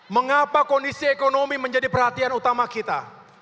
mengapa kondisi ekonomi menjadi perhatian utama kita